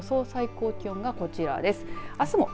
最高気温がこちらです。